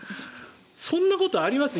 そんなことあります？